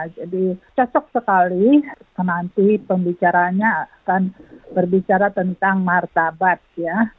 jadi cocok sekali nanti pembicaranya akan berbicara tentang martabat ya